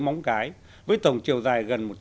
móng cái với tổng chiều dài gần